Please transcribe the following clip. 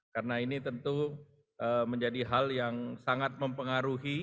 karena ini tentu menjadi hal yang sangat mempengaruhi